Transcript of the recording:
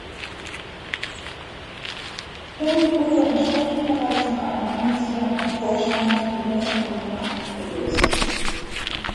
Parey wurde entsprechend bereits nach einem Amtsjahr im Vorstand wieder von Kröner abgelöst.